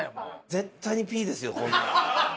絶対にピーですよ。